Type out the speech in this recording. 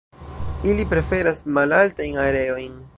Ili preferas malaltajn areojn.